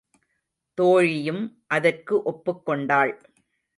தோழியும் அதற்கு ஒப்புக் கொண்டாள்.